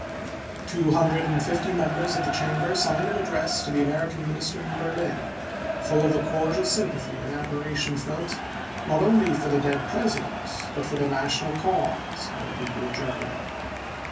Two hundred and fifty members of the Chamber signed an address to the American minister in Berlin, full of the cordial sympathy and admira tion felt, not only for the dead President, but for the national cause, by the people of Germany.